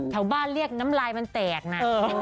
แถวบ้านเรียกน้ำลายมันแตกนะ